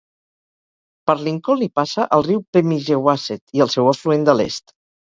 Per Lincoln hi passa el riu Pemigewasset i el seu afluent de l'est.